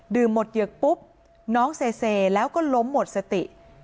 หมดเหยือกปุ๊บน้องเซแล้วก็ล้มหมดสติ